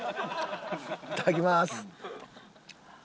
いただきます。